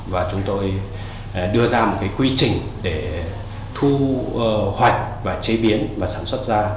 và chúng tôi đưa ra một quy trình để thu hoạch và chế biến và sản xuất ra